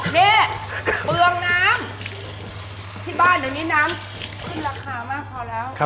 นี่เปลืองน้ำที่บ้านเดี๋ยวนี้น้ำขึ้นราคามากพอแล้ว